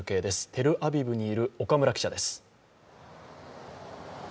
テルアビブにいる岡村記者です。